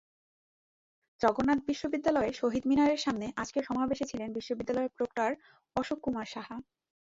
জগন্নাথ বিশ্ববিদ্যালয়ের শহীদ মিনারের সামনে আজকের সমাবেশে ছিলেন বিশ্ববিদ্যালয়ের প্রক্টর অশোক কুমার সাহা।